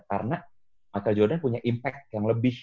karena michael jordan punya impact yang lebih